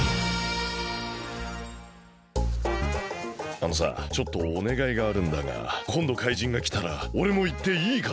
あのさちょっとおねがいがあるんだがこんどかいじんがきたらおれもいっていいかな？